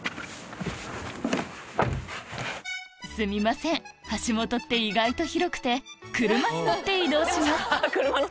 すみません橋本って意外と広くて車に乗って移動します